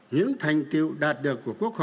những thành tiêu đạt được của quốc hội